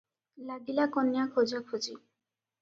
ଲାଗିଲା କନ୍ୟା ଖୋଜାଖୋଜି ।